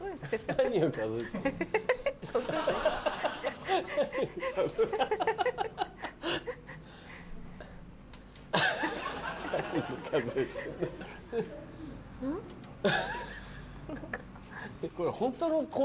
何を数えてんだ。